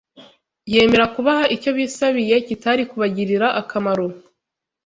yemera kubaha icyo bisabiye kitari kubagirira akamaro.